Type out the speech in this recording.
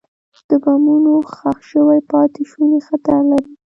د بمونو ښخ شوي پاتې شوني خطر لري.